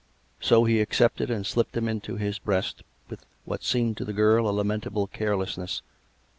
So he accepted, and slipped them into his breast with what seemed to the girl a lamentable carelessness.